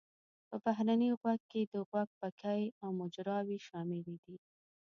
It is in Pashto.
په بهرني غوږ کې د غوږ پکې او مجراوې شاملې دي.